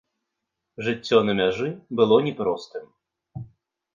Жыццё на мяжы было не простым.